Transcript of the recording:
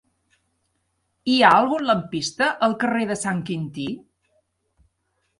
Hi ha algun lampista al carrer de Sant Quintí?